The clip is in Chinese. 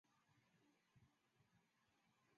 欧氏马先蒿为玄参科马先蒿属下的一个种。